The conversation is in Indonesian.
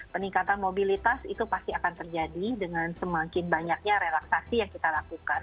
peningkatan mobilitas itu pasti akan terjadi dengan semakin banyaknya relaksasi yang kita lakukan